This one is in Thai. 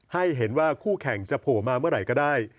ให้เห็นว่าคู่แข่งจะโผล่มาเมื่อไหร่ก็ได้